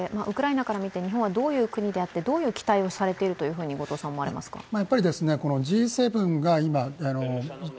ウクライナから見て日本はどういう国であってどういう期待をされていると思われますか？